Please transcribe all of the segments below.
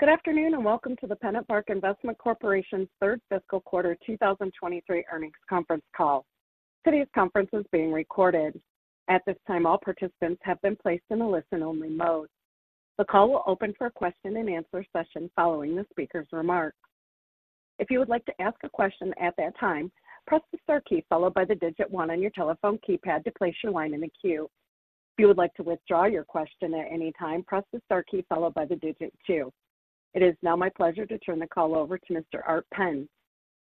Good afternoon, and welcome to the PennantPark Investment Corporation's Third Fiscal Quarter 2023 Earnings Conference Call. Today's conference is being recorded. At this time, all participants have been placed in a listen-only mode. The call will open for a question-and-answer session following the speaker's remarks. If you would like to ask a question at that time, press the star key followed by the digit one on your telephone keypad to place your line in the queue. If you would like to withdraw your question at any time, press the star key followed by the digit two. It is now my pleasure to turn the call over to Mr. Art Penn,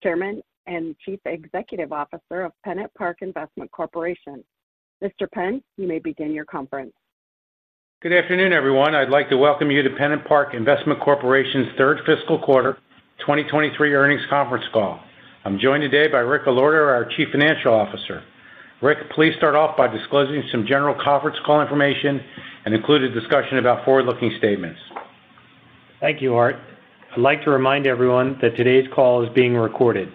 Chairman and Chief Executive Officer of PennantPark Investment Corporation. Mr. Penn, you may begin your conference. Good afternoon, everyone. I'd like to welcome you to PennantPark Investment Corporation's third fiscal quarter 2023 earnings conference call. I'm joined today by Rick Allorto, our Chief Financial Officer. Rick, please start off by disclosing some general conference call information and include a discussion about forward-looking statements. Thank you, Art. I'd like to remind everyone that today's call is being recorded.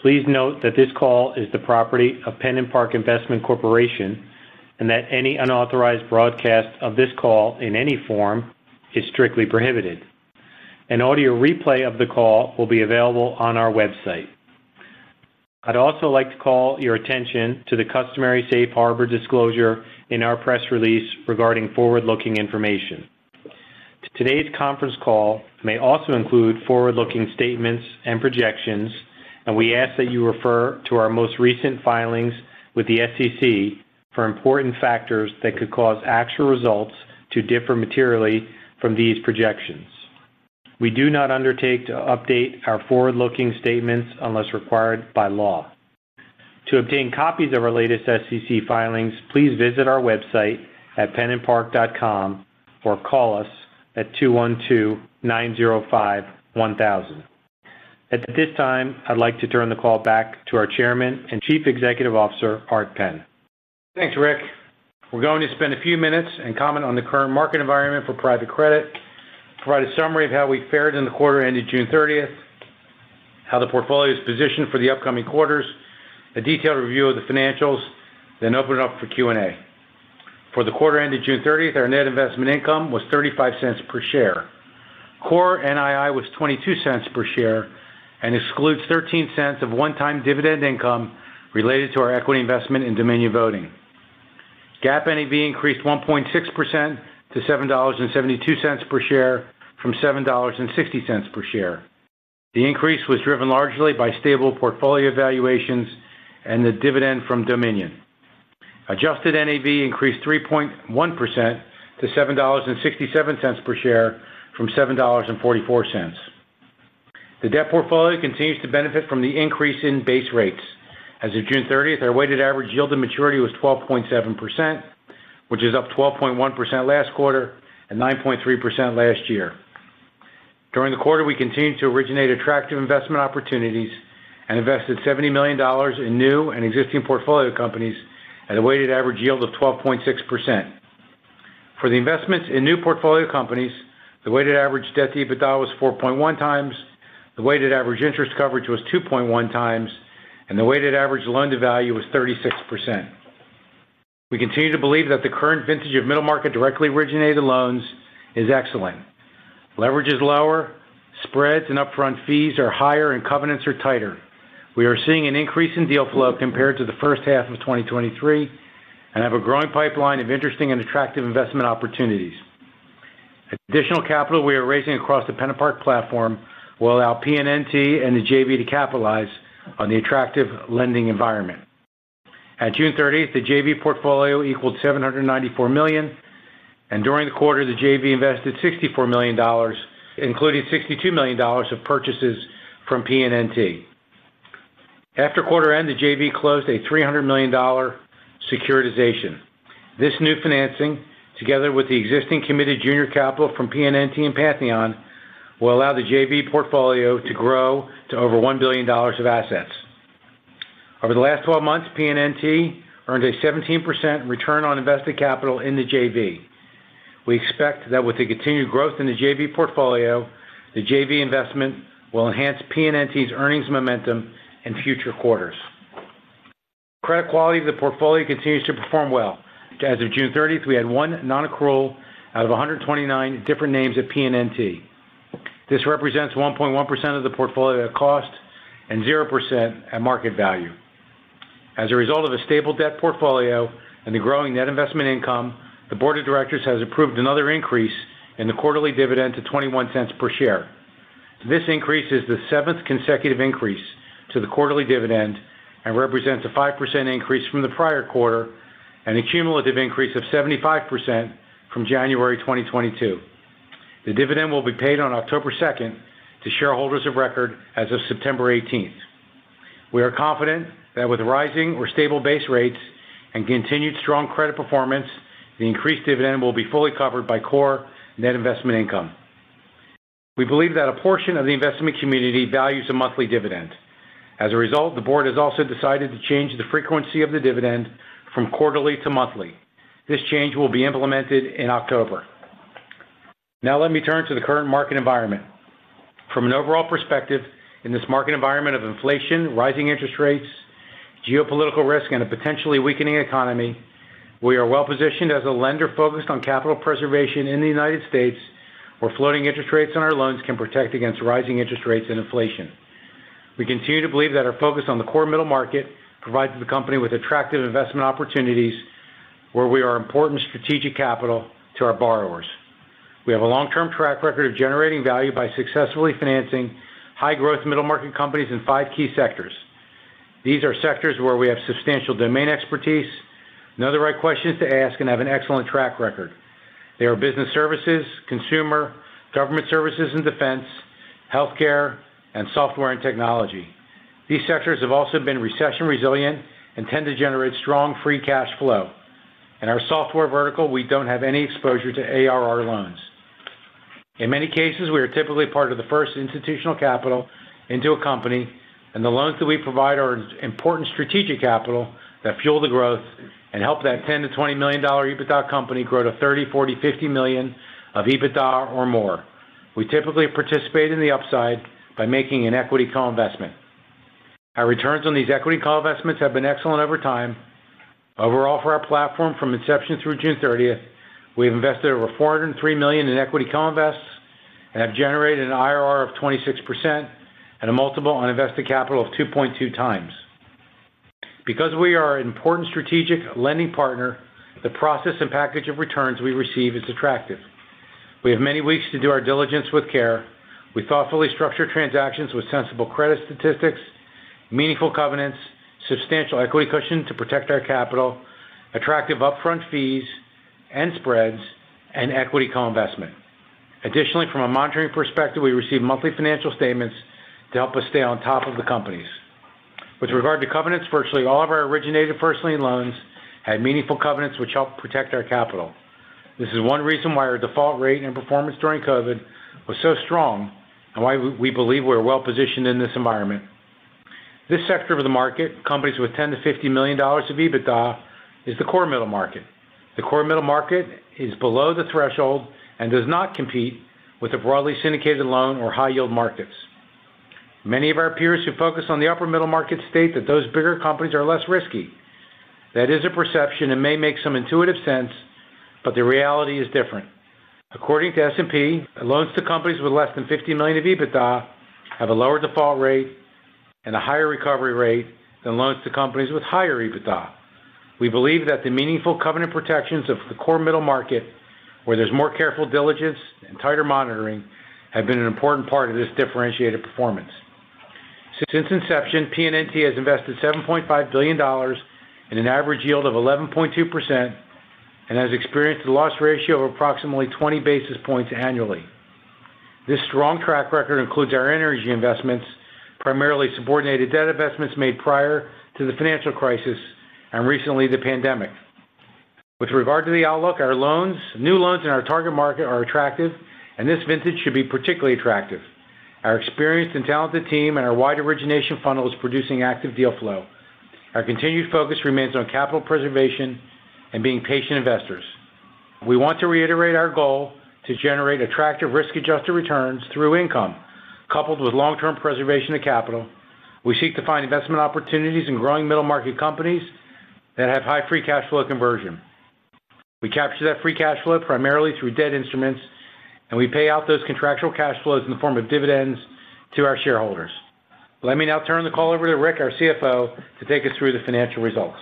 Please note that this call is the property of PennantPark Investment Corporation, and that any unauthorized broadcast of this call in any form is strictly prohibited. An audio replay of the call will be available on our website. I'd also like to call your attention to the customary safe harbor disclosure in our press release regarding forward-looking information. Today's conference call may also include forward-looking statements and projections, and we ask that you refer to our most recent filings with the SEC for important factors that could cause actual results to differ materially from these projections. We do not undertake to update our forward-looking statements unless required by law. To obtain copies of our latest SEC filings, please visit our website at pennantpark.com, or call us at 212-905-1000. At this time, I'd like to turn the call back to our Chairman and Chief Executive Officer, Art Penn. Thanks, Rick. We're going to spend a few minutes and comment on the current market environment for private credit, provide a summary of how we fared in the quarter ended June 30th, how the portfolio is positioned for the upcoming quarters, a detailed review of the financials, then open it up for Q&A. For the quarter ended June 30th, our net investment income was $0.35 per share. Core NII was $0.22 per share and excludes $0.13 of one-time dividend income related to our equity investment in Dominion Voting. GAAP NAV increased 1.6% to $7.72 per share from $7.60 per share. The increase was driven largely by stable portfolio valuations and the dividend from Dominion. Adjusted NAV increased 3.1% to $7.67 per share from $7.44. The debt portfolio continues to benefit from the increase in base rates. As of June 30th, our weighted average yield to maturity was 12.7%, which is up 12.1% last quarter and 9.3% last year. During the quarter, we continued to originate attractive investment opportunities and invested $70 million in new and existing portfolio companies at a weighted average yield of 12.6%. For the investments in new portfolio companies, the weighted average debt-to-EBITDA was 4.1x, the weighted average interest coverage was 2.1x, and the weighted average loan-to-value was 36%. We continue to believe that the current vintage of middle-market directly originated loans is excellent. Leverage is lower, spreads and upfront fees are higher, and covenants are tighter. We are seeing an increase in deal flow compared to the first half of 2023 and have a growing pipeline of interesting and attractive investment opportunities. Additional capital we are raising across the PennantPark platform will allow PNNT and the JV to capitalize on the attractive lending environment. At June 30th, the JV portfolio equaled $794 million, and during the quarter, the JV invested $64 million, including $62 million of purchases from PNNT. After quarter end, the JV closed a $300 million securitization. This new financing, together with the existing committed junior capital from PNNT and Pantheon, will allow the JV portfolio to grow to over $1 billion of assets. Over the last 12 months, PNNT earned a 17% return on invested capital in the JV. We expect that with the continued growth in the JV portfolio, the JV investment will enhance PNNT's earnings momentum in future quarters. Credit quality of the portfolio continues to perform well. As of June 30th, we had one non-accrual out of 129 different names at PNNT. This represents 1.1% of the portfolio at cost and 0% at market value. As a result of a stable debt portfolio and the growing net investment income, the board of directors has approved another increase in the quarterly dividend to $0.21 per share. This increase is the seventh consecutive increase to the quarterly dividend and represents a 5% increase from the prior quarter and a cumulative increase of 75% from January 2022. The dividend will be paid on October 2nd to shareholders of record as of September 18. We are confident that with rising or stable base rates and continued strong credit performance, the increased dividend will be fully covered by core net investment income. We believe that a portion of the investment community values a monthly dividend. As a result, the board has also decided to change the frequency of the dividend from quarterly to monthly. This change will be implemented in October. Now let me turn to the current market environment. From an overall perspective, in this market environment of inflation, rising interest rates, geopolitical risk, and a potentially weakening economy, we are well-positioned as a lender focused on capital preservation in the United States, where floating interest rates on our loans can protect against rising interest rates and inflation. We continue to believe that our focus on the core middle market provides the company with attractive investment opportunities, where we are important strategic capital to our borrowers. We have a long-term track record of generating value by successfully financing high-growth middle-market companies in five key sectors. These are sectors where we have substantial domain expertise, know the right questions to ask, and have an excellent track record. They are business services, consumer, government services and defense, healthcare, and software and technology. These sectors have also been recession resilient and tend to generate strong free cash flow. In our software vertical, we don't have any exposure to ARR loans. In many cases, we are typically part of the first institutional capital into a company, and the loans that we provide are important strategic capital that fuel the growth and help that $10 million-$20 million EBITDA company grow to $30 million, $40 million, $50 million of EBITDA or more. We typically participate in the upside by making an equity co-investment. Our returns on these equity co-investments have been excellent over time. Overall, for our platform, from inception through June 30th, we've invested over $403 million in equity co-invests and have generated an IRR of 26% and a multiple on invested capital of 2.2x. Because we are an important strategic lending partner, the process and package of returns we receive is attractive. We have many weeks to do our diligence with care. We thoughtfully structure transactions with sensible credit statistics, meaningful covenants, substantial equity cushion to protect our capital, attractive upfront fees and spreads, and equity co-investment. Additionally, from a monitoring perspective, we receive monthly financial statements to help us stay on top of the companies. With regard to covenants, virtually all of our originated first lien loans had meaningful covenants, which help protect our capital. This is one reason why our default rate and performance during COVID was so strong and why we believe we're well-positioned in this environment. This sector of the market, companies with $10 million-$50 million of EBITDA, is the core middle market. The core middle market is below the threshold and does not compete with the broadly syndicated loan or high-yield markets. Many of our peers who focus on the upper middle market state that those bigger companies are less risky. That is a perception and may make some intuitive sense, but the reality is different. According to S&P, loans to companies with less than 50 million of EBITDA have a lower default rate and a higher recovery rate than loans to companies with higher EBITDA. We believe that the meaningful covenant protections of the core middle market, where there's more careful diligence and tighter monitoring, have been an important part of this differentiated performance. Since inception, PNNT has invested $7.5 billion in an average yield of 11.2% and has experienced a loss ratio of approximately 20 basis points annually. This strong track record includes our energy investments, primarily subordinated debt investments made prior to the financial crisis and recently, the pandemic. With regard to the outlook, our loans, new loans in our target market are attractive, and this vintage should be particularly attractive. Our experienced and talented team and our wide origination funnel is producing active deal flow. Our continued focus remains on capital preservation and being patient investors. We want to reiterate our goal to generate attractive, risk-adjusted returns through income, coupled with long-term preservation of capital. We seek to find investment opportunities in growing middle-market companies that have high free cash flow conversion. We capture that free cash flow primarily through debt instruments, and we pay out those contractual cash flows in the form of dividends to our shareholders. Let me now turn the call over to Rick, our CFO, to take us through the financial results.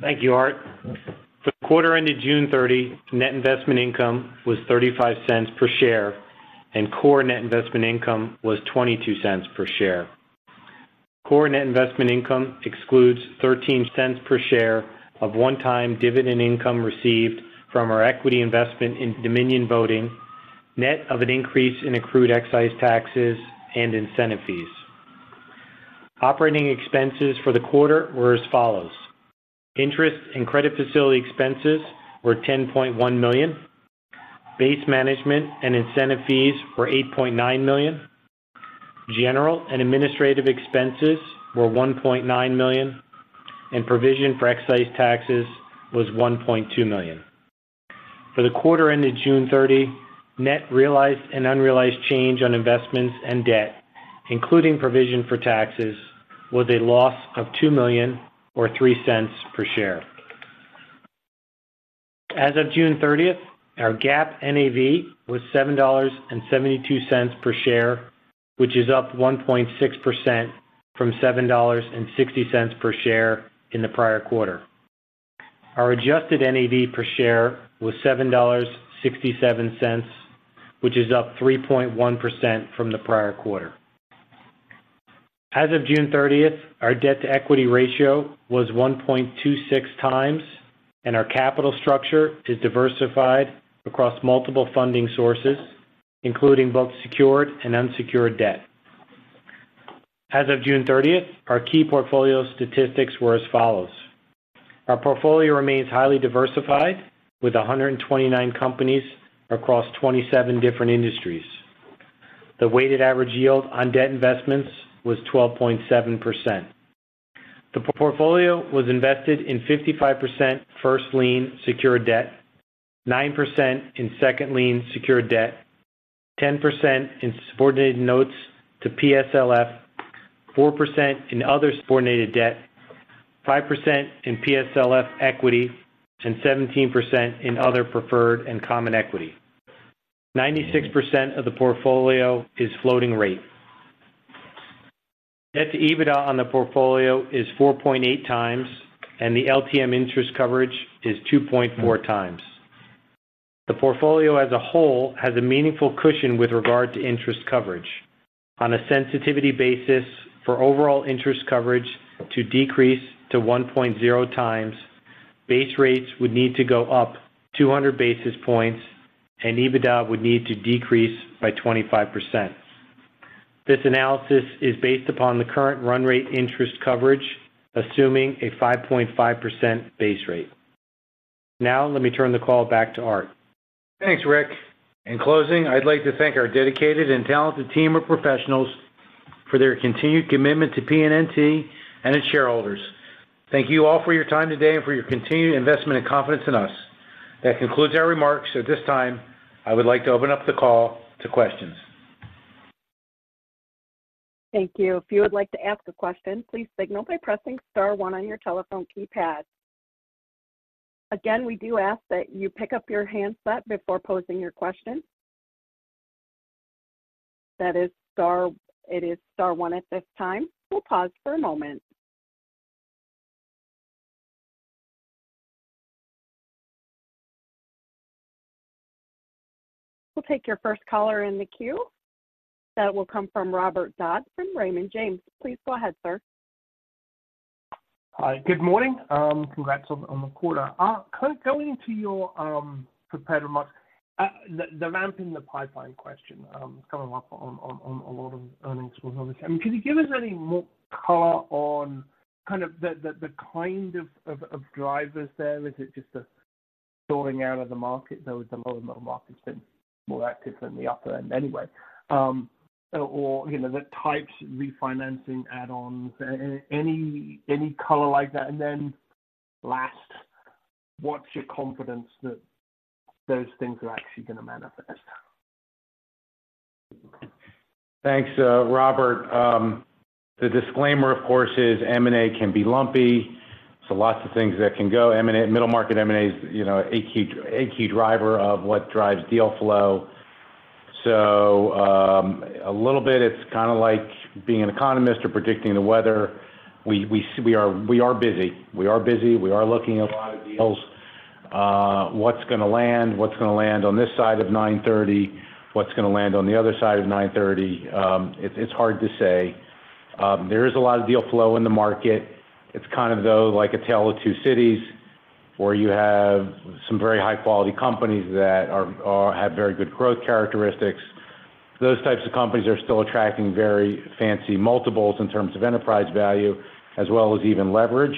Thank you, Art. For the quarter ended June 30, net investment income was $0.35 per share, and core net investment income was $0.22 per share. Core net investment income excludes $0.13 per share of one-time dividend income received from our equity investment in Dominion Voting, net of an increase in accrued excise taxes and incentive fees. Operating expenses for the quarter were as follows: Interest and credit facility expenses were $10.1 million, base management and incentive fees were $8.9 million, general and administrative expenses were $1.9 million, and provision for excise taxes was $1.2 million. For the quarter ended June 30, net realized and unrealized change on investments and debt, including provision for taxes, was a loss of $2 million or $0.03 per share. As of June thirtieth, our GAAP NAV was $7.72 per share, which is up 1.6% from $7.60 per share in the prior quarter. Our adjusted NAV per share was $7.67, which is up 3.1% from the prior quarter. As of June thirtieth, our debt-to-equity ratio was 1.26x, and our capital structure is diversified across multiple funding sources, including both secured and unsecured debt. As of June thirtieth, our key portfolio statistics were as follows: Our portfolio remains highly diversified, with 129 companies across 27 different industries. The weighted average yield on debt investments was 12.7%. The portfolio was invested in 55% first lien secured debt, 9% in second lien secured debt, 10% in subordinated notes to PSLF, 4% in other subordinated debt, 5% in PSLF equity, and 17% in other preferred and common equity. 96% of the portfolio is floating rate. Net EBITDA on the portfolio is 4.8x, and the LTM interest coverage is 2.4x. The portfolio as a whole has a meaningful cushion with regard to interest coverage. On a sensitivity basis, for overall interest coverage to decrease to 1.0x, base rates would need to go up 200 basis points and EBITDA would need to decrease by 25%. This analysis is based upon the current run rate interest coverage, assuming a 5.5% base rate. Now, let me turn the call back to Art. Thanks, Rick. In closing, I'd like to thank our dedicated and talented team of professionals for their continued commitment to PNNT and its shareholders. Thank you all for your time today and for your continued investment and confidence in us. That concludes our remarks. At this time, I would like to open up the call to questions. Thank you. If you would like to ask a question, please signal by pressing star one on your telephone keypad. Again, we do ask that you pick up your handset before posing your question. That is star one at this time. We'll pause for a moment. We'll take your first caller in the queue. That will come from Robert Dodd, Raymond James. Please go ahead, sir. Hi, good morning. Congrats on the quarter. Kind of going to your prepared remarks, the ramp in the pipeline question is coming up on a lot of earnings calls. Can you give us any more color on kind of the kind of drivers there? Is it just a sorting out of the market, though, as the lower middle market has been more active than the upper end anyway? Or, you know, the types, refinancing, add-ons, any color like that? And then last, what's your confidence that those things are actually going to manifest? Thanks, Robert. The disclaimer, of course, is M&A can be lumpy, so lots of things that can go. M&A, middle market M&A is, you know, a key driver of what drives deal flow. So, a little bit, it's kind of like being an economist or predicting the weather. We are busy. We are looking at a lot of deals. What's going to land? What's going to land on this side of 9:30 A.M.? What's going to land on the other side of 9:30 A.M.? It's hard to say. There is a lot of deal flow in the market. It's kind of, though, like a tale of two cities, where you have some very high-quality companies that have very good growth characteristics. Those types of companies are still attracting very fancy multiples in terms of enterprise value, as well as even leverage.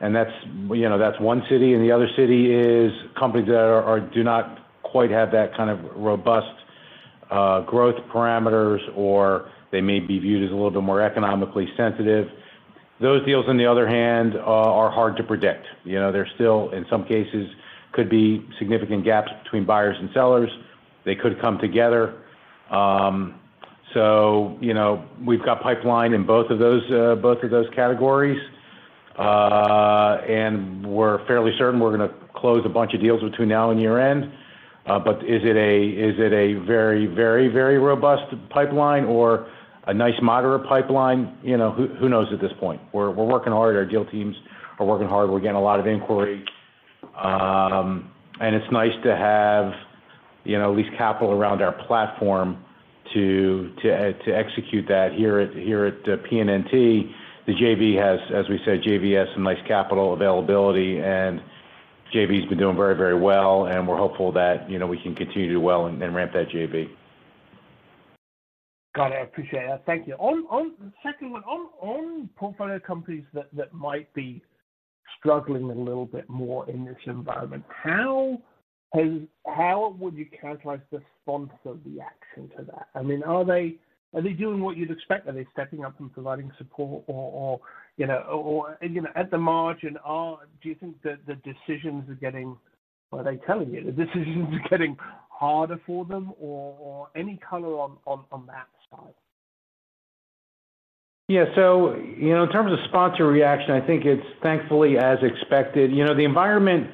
And that's, you know, that's one city, and the other city is companies that are do not quite have that kind of robust growth parameters, or they may be viewed as a little bit more economically sensitive. Those deals, on the other hand, are hard to predict. You know, there still, in some cases, could be significant gaps between buyers and sellers. They could come together. So, you know, we've got pipeline in both of those both of those categories. And we're fairly certain we're going to close a bunch of deals between now and year-end. But is it a, is it a very, very, very robust pipeline or a nice moderate pipeline? You know, who who knows at this point? We're working hard. Our deal teams are working hard. We're getting a lot of inquiries. And it's nice to have, you know, at least capital around our platform to execute that here at PNNT. The JV has, as we said, some nice capital availability, and JV has been doing very, very well, and we're hopeful that, you know, we can continue to do well and ramp that JV. Got it. I appreciate that. Thank you. On the second one, on portfolio companies that might be struggling a little bit more in this environment, how would you characterize the sponsor reaction to that? I mean, are they doing what you'd expect? Are they stepping up and providing support or, you know, at the margin, do you think the decisions are getting... Are they telling you the decisions are getting harder for them or any color on that side? Yeah. So, you know, in terms of sponsor reaction, I think it's thankfully as expected. You know, the environment,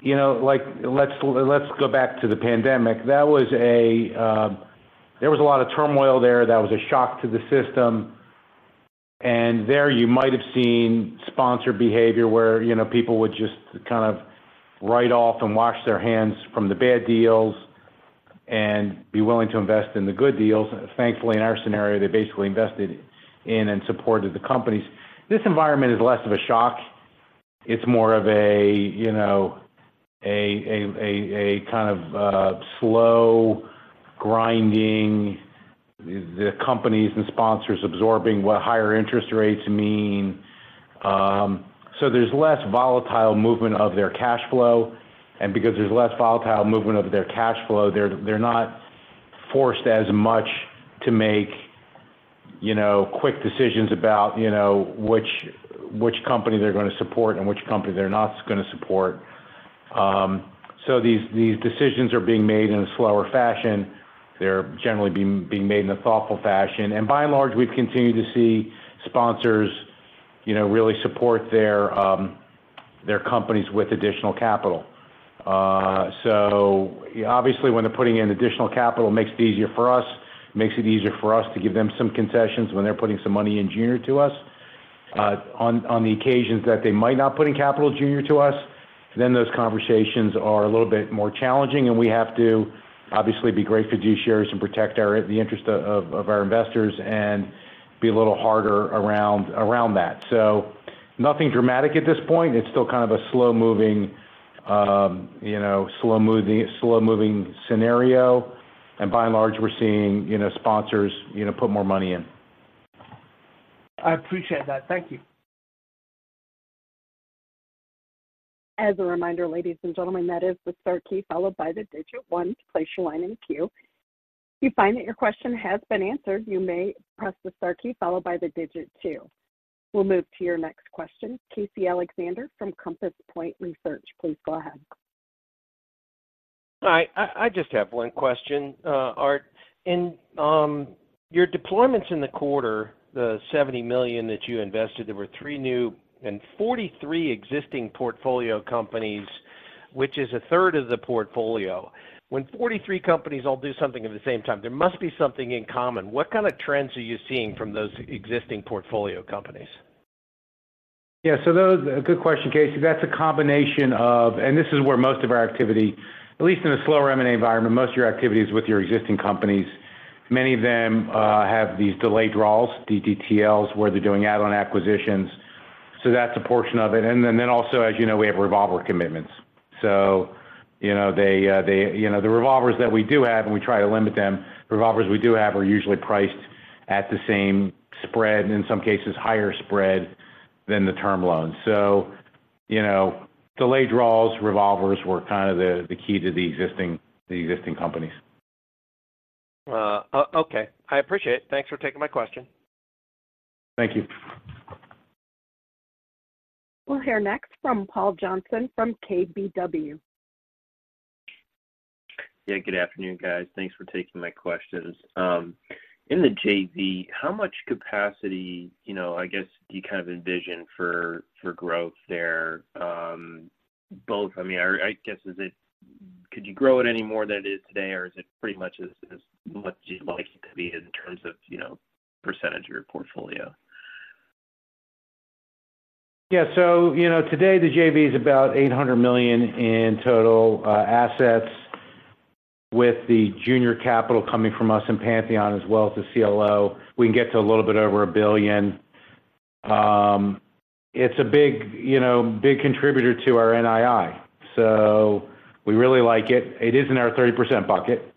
you know, like, let's, let's go back to the pandemic. That was a, there was a lot of turmoil there. That was a shock to the system. And there you might have seen sponsor behavior where, you know, people would just kind of write off and wash their hands from the bad deals and be willing to invest in the good deals. Thankfully, in our scenario, they basically invested in and supported the companies. This environment is less of a shock. It's more of a, you know, a kind of slow grinding, the companies and sponsors absorbing what higher interest rates mean. So there's less volatile movement of their cash flow, and because there's less volatile movement of their cash flow, they're not forced as much to make, you know, quick decisions about, you know, which company they're going to support and which company they're not going to support. So these decisions are being made in a slower fashion. They're generally being made in a thoughtful fashion, and by and large, we've continued to see sponsors, you know, really support their their companies with additional capital. So obviously, when they're putting in additional capital, makes it easier for us, makes it easier for us to give them some concessions when they're putting some money in junior to us. On the occasions that they might not put in capital junior to us, then those conversations are a little bit more challenging, and we have to obviously be great fiduciaries and protect our, the interest of our investors and be a little harder around that. So nothing dramatic at this point. It's still kind of a slow-moving, you know, slow moving, slow-moving scenario. And by and large, we're seeing, you know, sponsors, you know, put more money in. I appreciate that. Thank you. As a reminder, ladies and gentlemen, that is the star key, followed by the digit one to place your line in queue. If you find that your question has been answered, you may press the star key followed by the digit two. We'll move to your next question. Casey Alexander from Compass Point Research, please go ahead. Hi, I just have one question, Art. In your deployments in the quarter, the $70 million that you invested, there were three new and 43 existing portfolio companies, which is a third of the portfolio. When 43 companies all do something at the same time, there must be something in common. What kind of trends are you seeing from those existing portfolio companies? Yeah, so those, good question, Casey. That's a combination of, and this is where most of our activity, at least in a slower M&A environment, most of your activity is with your existing companies. Many of them have these delayed draws, DDTLs, where they're doing add-on acquisitions. So that's a portion of it. And then also, as you know, we have revolver commitments. So you know, they, they, you know, the revolvers that we do have, and we try to limit them, revolvers we do have are usually priced at the same spread, in some cases higher spread than the term loans. So, you know, delayed draws, revolvers were kind of the key to the existing companies. Okay, I appreciate it. Thanks for taking my question. Thank you. We'll hear next from Paul Johnson, from KBW. Yeah, good afternoon, guys. Thanks for taking my questions. In the JV, how much capacity, you know, I guess, do you kind of envision for growth there? I mean, I guess, is it, could you grow it any more than it is today, or is it pretty much as much as you'd like it to be in terms of, you know, percentage of your portfolio? Yeah, so you know, today, the JV is about $800 million in total assets, with the junior capital coming from us and Pantheon as well as the CLO. We can get to a little bit over $1 billion. It's a big, you know, big contributor to our NII, so we really like it. It is in our 30% bucket,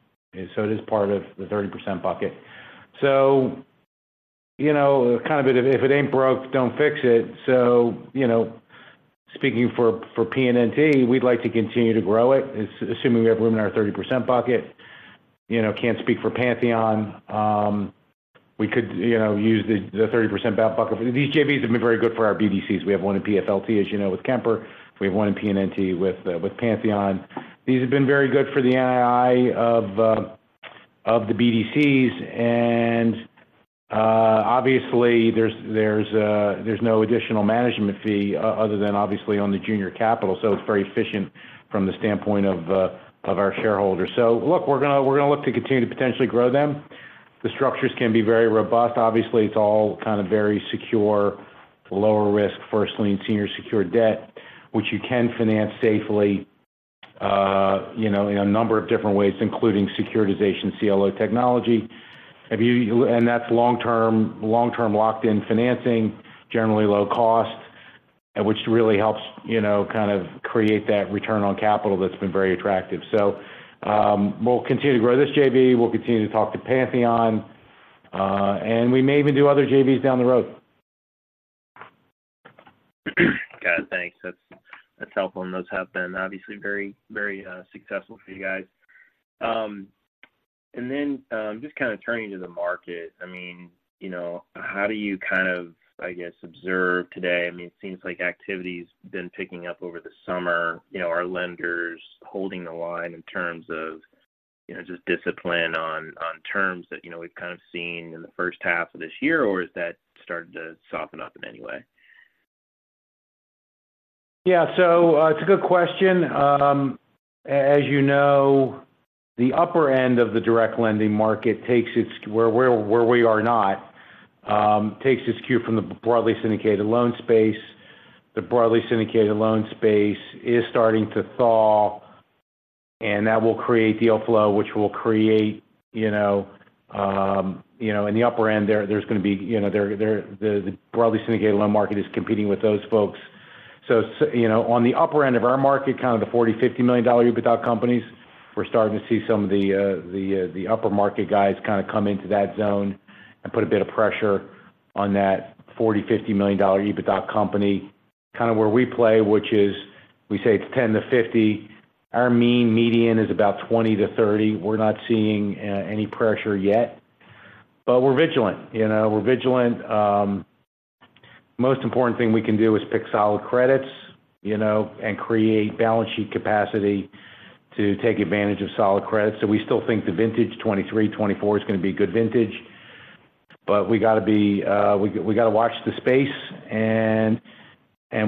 so it is part of the 30% bucket. So, you know, kind of if it ain't broke, don't fix it. So, you know, speaking for PNNT, we'd like to continue to grow it, assuming we have room in our 30% bucket. You know, can't speak for Pantheon. We could, you know, use the 30% bucket. These JVs have been very good for our BDCs. We have one in PFLT, as you know, with Kemper. We have one in PNNT with Pantheon. These have been very good for the NII of the BDCs, and obviously there's no additional management fee other than obviously on the junior capital. So it's very efficient from the standpoint of our shareholders. So look, we're gonna look to continue to potentially grow them. The structures can be very robust. Obviously, it's all kind of very secure, lower risk, first lien, senior secured debt, which you can finance safely, you know, in a number of different ways, including securitization, CLO technology. And that's long-term, long-term locked-in financing, generally low cost, and which really helps, you know, kind of create that return on capital that's been very attractive. So we'll continue to grow this JV. We'll continue to talk to Pantheon, and we may even do other JVs down the road. Got it, thanks. That's, that's helpful. And those have been obviously very, very successful for you guys. And then, just kind of turning to the market. I mean, you know, how do you kind of, I guess, observe today? I mean, it seems like activity's been picking up over the summer. You know, are lenders holding the line in terms of, you know, just discipline on, on terms that, you know, we've kind of seen in the first half of this year? Or has that started to soften up in any way? Yeah, so, it's a good question. As you know, the upper end of the direct lending market takes its cue from the broadly syndicated loan space. The broadly syndicated loan space is starting to thaw, and that will create deal flow, which will create, you know, you know, in the upper end there, there's going to be, you know, the broadly syndicated loan market is competing with those folks. So you know, on the upper end of our market, kind of the $40 million-$50 million EBITDA companies, we're starting to see some of the upper market guys kind of come into that zone and put a bit of pressure on that $40 million-$50 million EBITDA company. Kind of where we play, which is, we say it's $10 million-$50million. Our mean median is about $20 million-$30 million. We're not seeing any pressure yet, but we're vigilant. You know, we're vigilant. Most important thing we can do is pick solid credits, you know, and create balance sheet capacity to take advantage of solid credits. So we still think the vintage 2023, 2024 is going to be good vintage, but we got to be, we got to watch the space and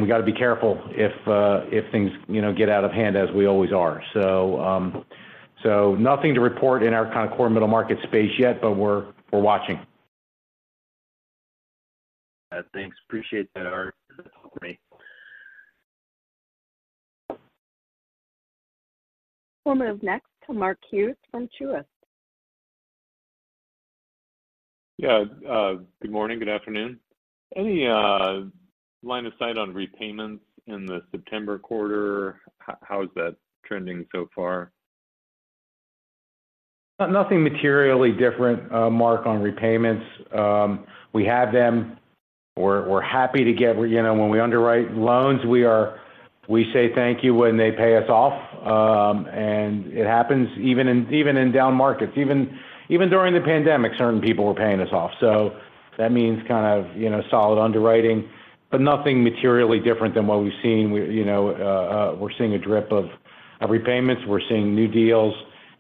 we got to be careful if things, you know, get out of hand, as we always are. So, so nothing to report in our kind of core middle market space yet, but we're watching. Thanks. Appreciate that, Art. We'll move next to Mark Hughes from Truist. Yeah, good morning. Good afternoon. Any line of sight on repayments in the September quarter? How is that trending so far? Nothing materially different, Mark, on repayments. We have them. We're happy to get. You know, when we underwrite loans, we say thank you when they pay us off. And it happens even in down markets, even during the pandemic, certain people were paying us off. So that means kind of, you know, solid underwriting, but nothing materially different than what we've seen. You know, we're seeing a drip of repayments. We're seeing new deals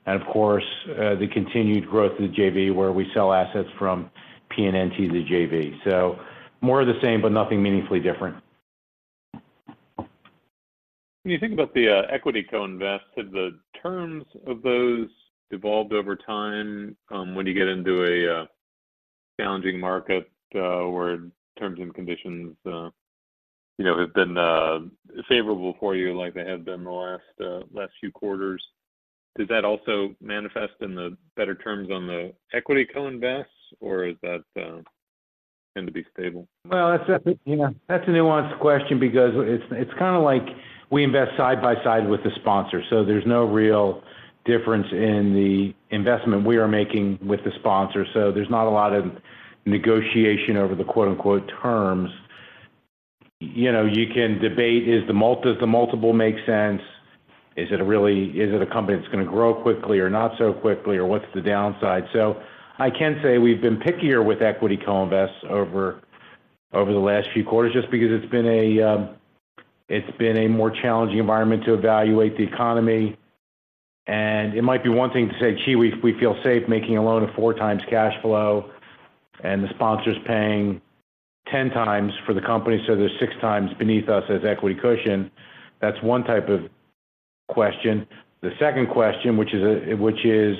and of course, the continued growth of the JV, where we sell assets from PNN to the JV. So more of the same, but nothing meaningfully different. When you think about the equity co-invest, have the terms of those evolved over time? When you get into a challenging market, where terms and conditions, you know, have been favorable for you like they have been in the last few quarters, does that also manifest in the better terms on the equity co-invest, or is that tend to be stable? Well, that's, you know, that's a nuanced question because it's, it's kind of like we invest side by side with the sponsor, so there's no real difference in the investment we are making with the sponsor. So there's not a lot of negotiation over the quote-unquote, terms. You know, you can debate, is the multi-- does the multiple make sense? Is it a really a company that's going to grow quickly or not so quickly, or what's the downside? So I can say we've been pickier with equity co-invest over, over the last few quarters, just because it's been a, it's been a more challenging environment to evaluate the economy. It might be one thing to say, gee, we feel safe making a loan of four times cash flow, and the sponsor's paying 10 times for the company, so there's six times beneath us as equity cushion. That's one type of question. The second question, which is,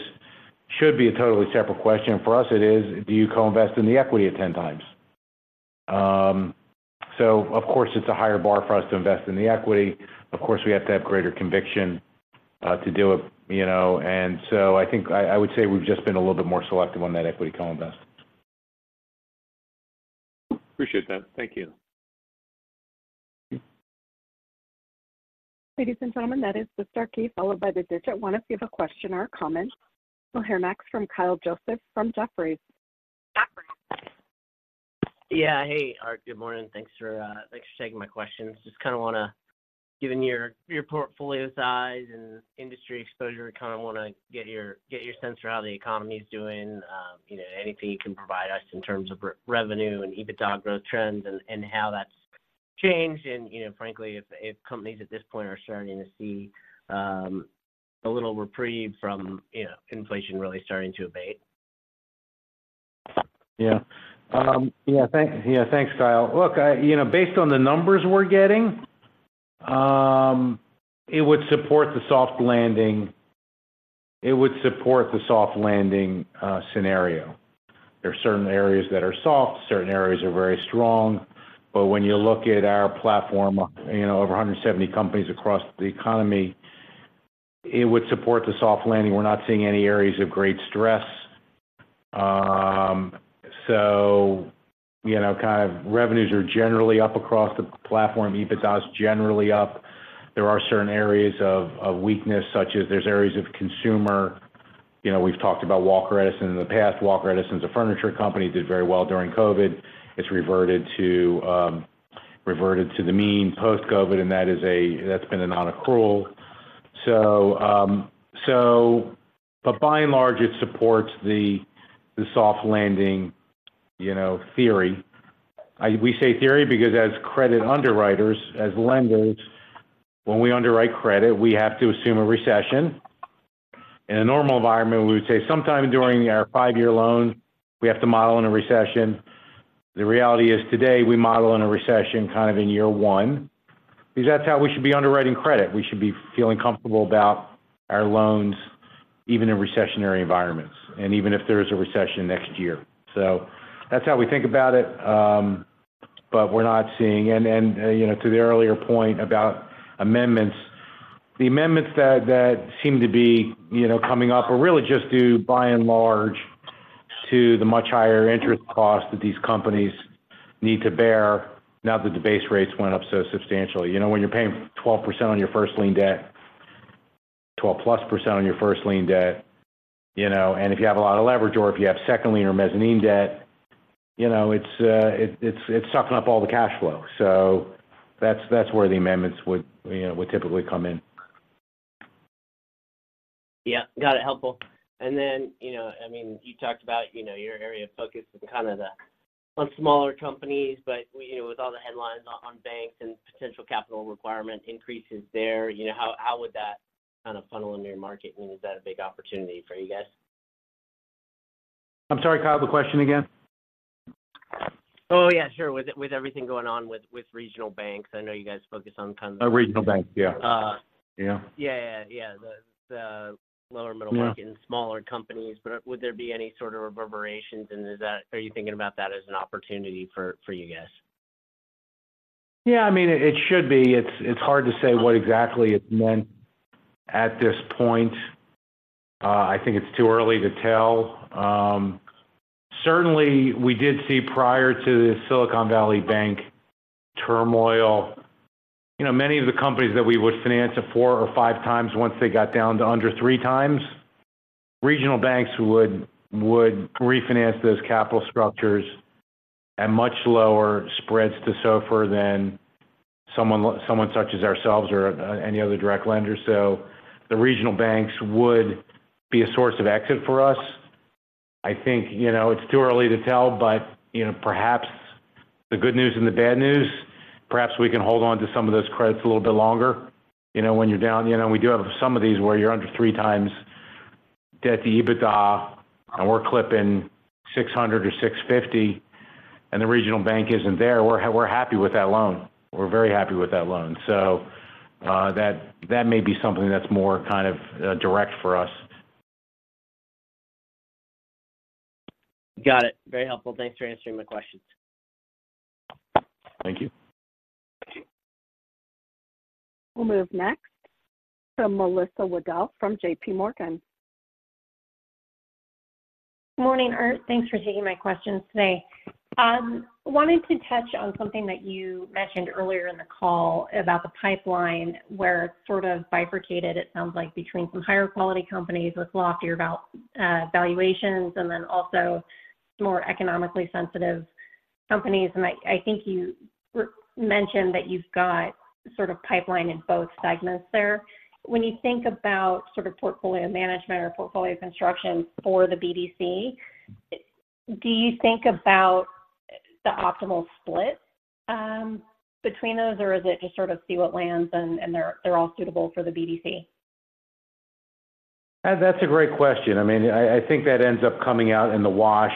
should be a totally separate question. For us, it is: Do you co-invest in the equity at 10 times? So of course, it's a higher bar for us to invest in the equity. Of course, we have to have greater conviction to do it, you know. And so I think I would say we've just been a little bit more selective on that equity co-invest. Appreciate that. Thank you. Ladies and gentlemen, that is the star key, followed by the digit. Want to give a question or a comment? We'll hear next from Kyle Joseph from Jefferies. Yeah. Hey, Art, good morning. Thanks for taking my questions. Just kind of want to—given your portfolio size and industry exposure, kind of want to get your sense for how the economy is doing. You know, anything you can provide us in terms of revenue and EBITDA growth trends and how that's changed? And, you know, frankly, if companies at this point are starting to see a little reprieve from, you know, inflation really starting to abate. Yeah. Yeah, thank you. Yeah, thanks, Kyle. Look, you know, based on the numbers we're getting, it would support the soft landing. It would support the soft landing scenario. There are certain areas that are soft, certain areas are very strong. But when you look at our platform, you know, over 170 companies across the economy, it would support the soft landing. We're not seeing any areas of great stress. So, you know, kind of revenues are generally up across the platform. EBITDA is generally up. There are certain areas of weakness, such as there's areas of consumer. You know, we've talked about Walker Edison in the past. Walker Edison is a furniture company, did very well during COVID. It's reverted to the mean post-COVID, and that's been a non-accrual. So, but by and large, it supports the soft landing, you know, theory. We say theory, because as credit underwriters, as lenders, when we underwrite credit, we have to assume a recession. In a normal environment, we would say sometime during our five-year loan, we have to model in a recession. The reality is today, we model in a recession kind of in year one, because that's how we should be underwriting credit. We should be feeling comfortable about our loans, even in recessionary environments, and even if there is a recession next year. So that's how we think about it. But we're not seeing, you know, to the earlier point about amendments, the amendments that seem to be, you know, coming up are really just due, by and large, to the much higher interest costs that these companies need to bear now that the base rates went up so substantially. You know, when you're paying 12% on your first lien debt, 12%+ on your first lien debt, you know, and if you have a lot of leverage or if you have second lien or mezzanine debt, you know, it's sucking up all the cash flow. So that's where the amendments would, you know, typically come in. Yeah. Got it, helpful. And then, you know, I mean, you talked about, you know, your area of focus is kind of the, on smaller companies, but, you know, with all the headlines on banks and potential capital requirement increases there, you know, how, how would that kind of funnel into your market? I mean, is that a big opportunity for you guys? I'm sorry, Kyle, the question again? Oh, yeah, sure. With everything going on with regional banks, I know you guys focus on kind of- Oh, regional banks. Yeah. Uh- Yeah. Yeah, yeah, yeah. The lower middle market- Yeah and smaller companies. But would there be any sort of reverberations, and is that—are you thinking about that as an opportunity for, for you guys? Yeah, I mean, it should be. It's hard to say what exactly it meant at this point. I think it's too early to tell. Certainly, we did see prior to the Silicon Valley Bank turmoil, you know, many of the companies that we would finance at 4x or 5x, once they got down to under 3x, regional banks would refinance those capital structures at much lower spreads to SOFR than someone such as ourselves or any other direct lender. So the regional banks would be a source of exit for us. I think, you know, it's too early to tell, but, you know, perhaps the good news and the bad news, perhaps we can hold on to some of those credits a little bit longer. You know, when you're down... You know, we do have some of these where you're under 3x debt to EBITDA, and we're clipping $600 million or $650 million, and the regional bank isn't there. We're happy with that loan. We're very happy with that loan. So, that, that may be something that's more kind of direct for us. Got it. Very helpful. Thanks for answering my questions. Thank you. We'll move next to Melissa Wedel from JP Morgan. Morning, Art. Thanks for taking my questions today. Wanted to touch on something that you mentioned earlier in the call about the pipeline, where it's sort of bifurcated, it sounds like, between some higher quality companies with loftier valuations and then also more economically sensitive companies. And I think you mentioned that you've got sort of pipeline in both segments there. When you think about sort of portfolio management or portfolio construction for the BDC, do you think about the optimal split between those, or is it just sort of see what lands and they're all suitable for the BDC? That's a great question. I mean, I think that ends up coming out in the wash.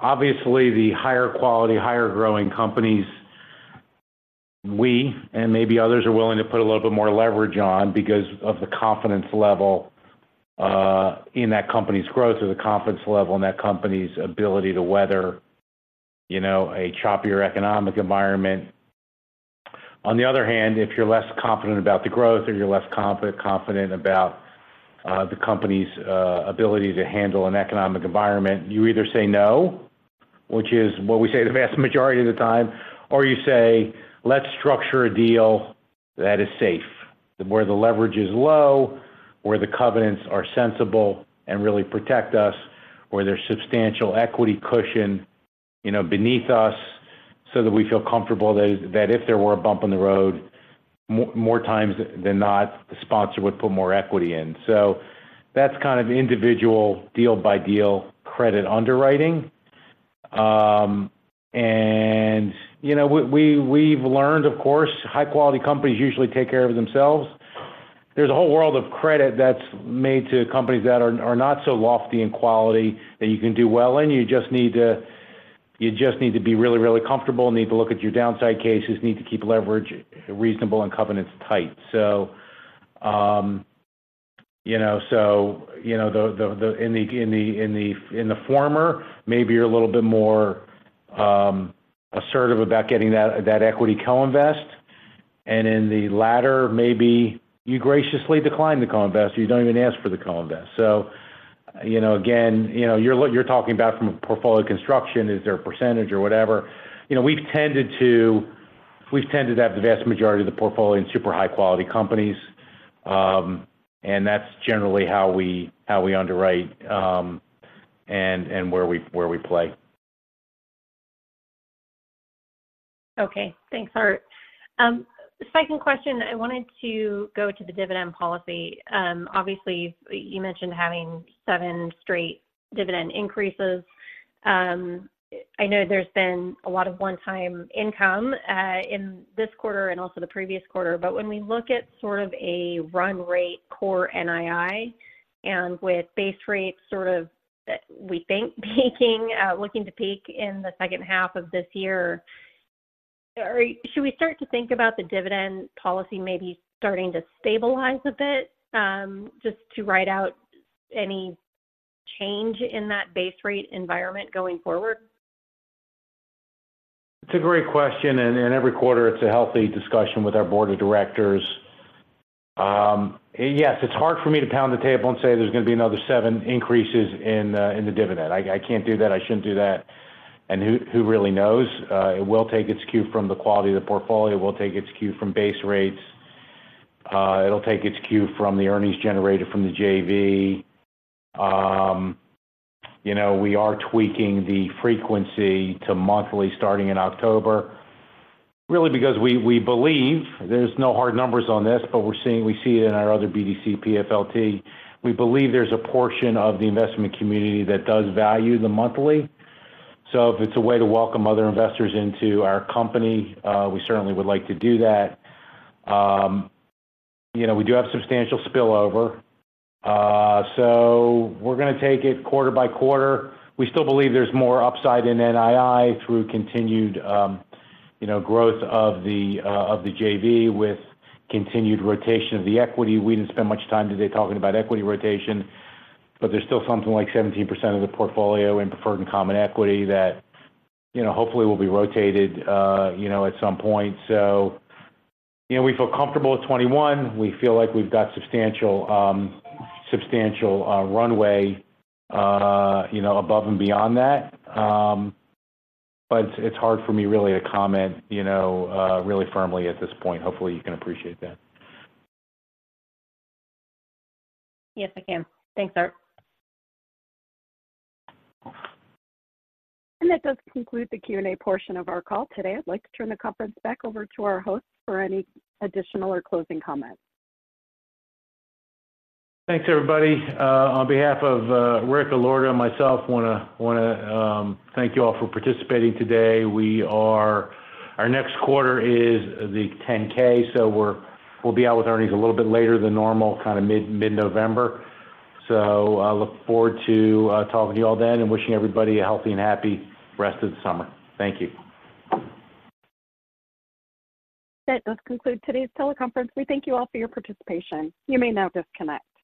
Obviously, the higher quality, higher growing companies, we, and maybe others, are willing to put a little bit more leverage on because of the confidence level in that company's growth or the confidence level in that company's ability to weather, you know, a choppier economic environment. On the other hand, if you're less confident about the growth or you're less confident about the company's ability to handle an economic environment, you either say no, which is what we say the vast majority of the time, or you say, "Let's structure a deal that is safe, where the leverage is low, where the covenants are sensible and really protect us, where there's substantial equity cushion, you know, beneath us so that we feel comfortable that if there were a bump in the road, more times than not, the sponsor would put more equity in." So that's kind of individual deal-by-deal credit underwriting. And you know, we've learned, of course, high-quality companies usually take care of themselves. There's a whole world of credit that's made to companies that are not so lofty in quality that you can do well in. You just need to, you just need to be really, really comfortable, need to look at your downside cases, need to keep leverage reasonable and covenants tight. So, you know, so, you know, in the former, maybe you're a little bit more assertive about getting that equity co-invest. And in the latter, maybe you graciously decline the co-invest, or you don't even ask for the co-invest. So, you know, again, you know, you're talking about from a portfolio construction, is there a percentage or whatever? You know, we've tended to have the vast majority of the portfolio in super high-quality companies, and that's generally how we underwrite, and where we play. Okay. Thanks, Art. Second question, I wanted to go to the dividend policy. Obviously, you mentioned having seven straight dividend increases. I know there's been a lot of one-time income in this quarter and also the previous quarter. But when we look at sort of a run rate Core NII, and with base rates sort of, we think, peaking, looking to peak in the second half of this year, should we start to think about the dividend policy maybe starting to stabilize a bit, just to ride out any change in that base rate environment going forward? It's a great question, and every quarter it's a healthy discussion with our board of directors. Yes, it's hard for me to pound the table and say there's going to be another seven increases in the dividend. I can't do that. I shouldn't do that... And who really knows? It will take its cue from the quality of the portfolio. It will take its cue from base rates. It'll take its cue from the earnings generated from the JV. You know, we are tweaking the frequency to monthly starting in October, really, because we believe there's no hard numbers on this, but we see it in our other BDC, PFLT. We believe there's a portion of the investment community that does value the monthly. So if it's a way to welcome other investors into our company, we certainly would like to do that. You know, we do have substantial spillover, so we're gonna take it quarter by quarter. We still believe there's more upside in NII through continued, you know, growth of the, of the JV, with continued rotation of the equity. We didn't spend much time today talking about equity rotation, but there's still something like 17% of the portfolio in preferred and common equity that, you know, hopefully will be rotated, you know, at some point. So, you know, we feel comfortable with 21. We feel like we've got substantial, substantial, runway, you know, above and beyond that. But it's hard for me really to comment, you know, really firmly at this point. Hopefully, you can appreciate that. Yes, I can. Thanks, Art. That does conclude the Q&A portion of our call today. I'd like to turn the conference back over to our host for any additional or closing comments. Thanks, everybody. On behalf of Rick Allorto and myself, I wanna thank you all for participating today. Our next quarter is the 10-K, so we'll be out with earnings a little bit later than normal, kinda mid-November. So I look forward to talking to you all then and wishing everybody a healthy and happy rest of the summer. Thank you. That does conclude today's teleconference. We thank you all for your participation. You may now disconnect.